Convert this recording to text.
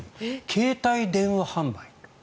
携帯電話販売。